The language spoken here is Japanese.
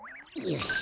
よし！